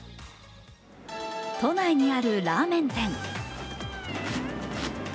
都内にあるラーメン店。